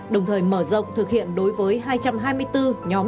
đồng thời mở rộng thực hiện đối với hai trăm hai mươi bốn nhóm dịch vụ công trực tuyến